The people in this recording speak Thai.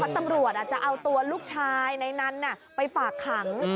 ตำรวจจะเอาตัวลูกชายในนั้นไปฝากขัง